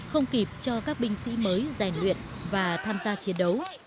không kịp cho các binh sĩ mới rèn luyện và tham gia chiến đấu